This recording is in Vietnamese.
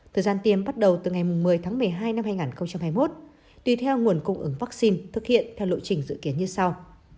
thời gian tiêm bắt đầu từ ngày một mươi tháng một mươi hai năm hai nghìn hai mươi một tùy theo nguồn cung ứng vaccine thực hiện theo lộ trình dự kiến như sau